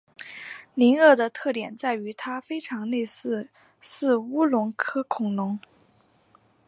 灵鳄的特点在于它非常类似似鸟龙科恐龙。